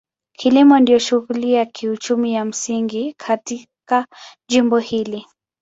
Kilimo ndio shughuli ya kiuchumi ya msingi katika jimbo hili.